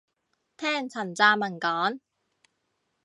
聽陳湛文講